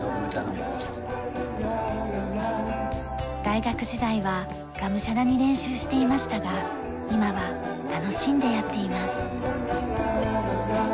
大学時代はがむしゃらに練習していましたが今は楽しんでやっています。